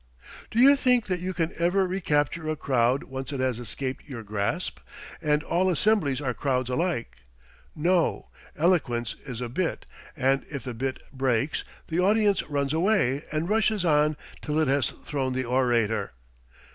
Do you think that you can ever recapture a crowd once it has escaped your grasp? And all assemblies are crowds alike. No, eloquence is a bit; and if the bit breaks, the audience runs away, and rushes on till it has thrown the orator.